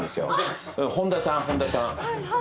本田さん本田さん。